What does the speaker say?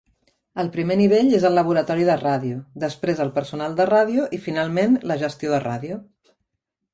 El primer nivell és el laboratori de ràdio, després el personal de ràdio i, finalment, la gestió de ràdio.